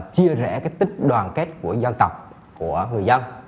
chia rẽ tích đoàn kết của dân tộc của người dân